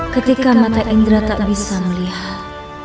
ketika mata indra tak bisa melihat